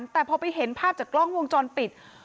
แต่พอไปเห็นภาพจากกล้องวงจรปิด